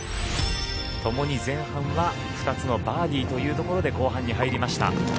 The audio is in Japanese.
ともに前半は２つのバーディーというところで後半に入りました。